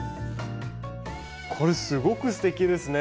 これすごくすてきですね。